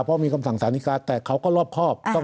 เพราะมีคำสั่งสาริกาแต่เขาก็รอบครอบ